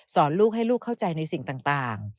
ลูกให้ลูกเข้าใจในสิ่งต่าง